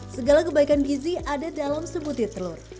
segala kebaikan gizi ada dalam sebutir telur